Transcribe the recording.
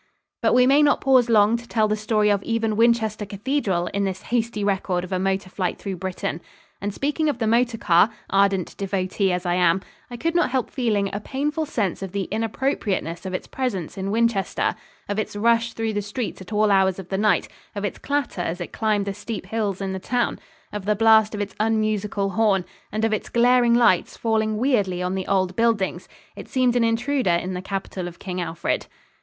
But we may not pause long to tell the story of even Winchester Cathedral in this hasty record of a motor flight through Britain. And, speaking of the motor car, ardent devotee as I am, I could not help feeling a painful sense of the inappropriateness of its presence in Winchester; of its rush through the streets at all hours of the night; of its clatter as it climbed the steep hills in the town; of the blast of its unmusical horn; and of its glaring lights, falling weirdly on the old buildings. It seemed an intruder in the capital of King Alfred.